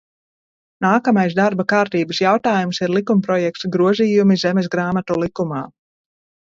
"Nākamais darba kārtības jautājums ir likumprojekts "Grozījumi Zemesgrāmatu likumā"."